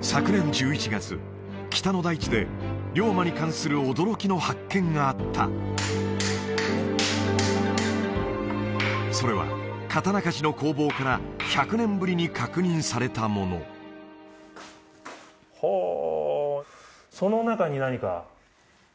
昨年１１月北の大地で龍馬に関する驚きの発見があったそれは刀鍛冶の工房から１００年ぶりに確認されたものほうその中に何か？